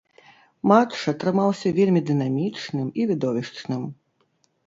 Матч атрымаўся вельмі дынамічным і відовішчным.